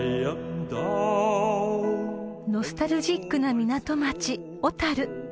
［ノスタルジックな港町小樽］